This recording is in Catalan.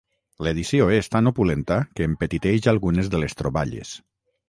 L'edició és tan opulenta que empetiteix algunes de les troballes.